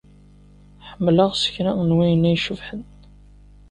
Ḥemmleɣ s kra n wayen ay icebḥen.